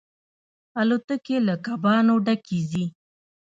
الوتکې له کبانو ډکې ځي.